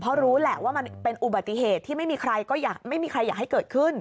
เพราะรู้แหละว่ามันเป็นอุบัติเหตุที่ไม่มีใครก็อยากไม่มีใครอยากให้เกิดขึ้น